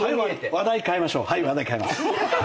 話題変えましょう。